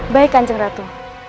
baik kan ceng ratu